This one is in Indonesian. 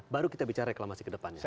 baru kita bicara reklamasi kedepannya